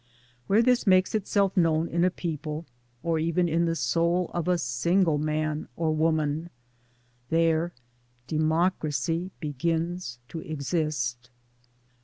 Where this makes itself known in a people or even in the soul of a single man or woman, there Democracy begins to exist.